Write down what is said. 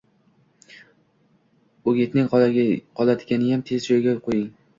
O‘g‘itning qolganiniyam tezda joyiga qo‘ying